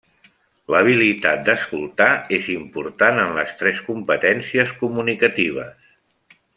L'habilitat d'escoltar és important en les tres competències comunicatives.